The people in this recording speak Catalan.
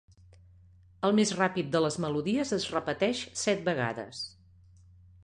El més ràpid de les melodies es repeteix set vegades.